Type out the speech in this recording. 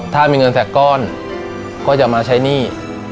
ถ้ามีเงินสักก้อนก็จะมาใช้หนี้